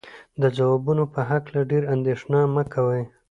د ځوابونو په هکله ډېره اندېښنه مه کوئ.